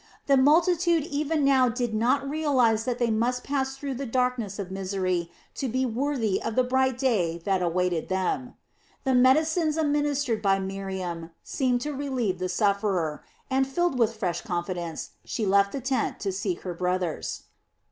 The multitude even now did not realize that they must pass through the darkness of misery to be worthy of the bright day that awaited them. The medicines administered by Miriam seemed to relieve the sufferer, and filled with fresh confidence, she left the tent to seek her brothers.